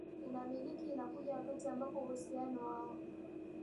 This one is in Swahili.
inamiliki inakuja wakati ambapo uhusiano wao